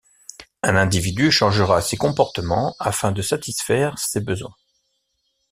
Un individu changera ses comportements afin de satisfaire ces besoins.